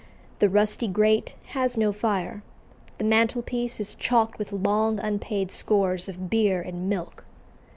The rusty grate has no fire. The mantelpiece is chalked with long unpaid scores of beer and milk.